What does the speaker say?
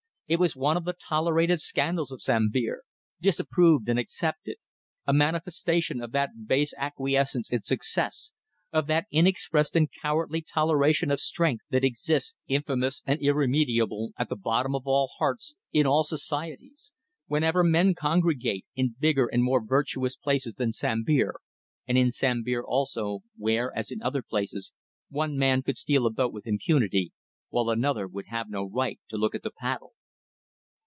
It was one of the tolerated scandals of Sambir, disapproved and accepted, a manifestation of that base acquiescence in success, of that inexpressed and cowardly toleration of strength, that exists, infamous and irremediable, at the bottom of all hearts, in all societies; whenever men congregate; in bigger and more virtuous places than Sambir, and in Sambir also, where, as in other places, one man could steal a boat with impunity while another would have no right to look at a paddle.